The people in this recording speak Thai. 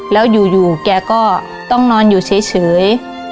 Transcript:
แล้วอยู่แกก็ต้องนอนอยู่เฉย